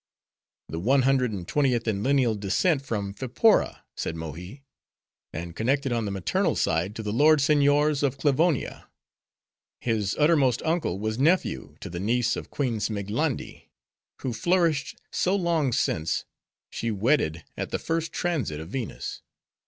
"The one hundred and twentieth in lineal descent from Phipora," said Mohi; "and connected on the maternal side to the lord seigniors of Klivonia. His uttermost uncle was nephew to the niece of Queen Zmiglandi; who flourished so long since, she wedded at the first Transit of Venus.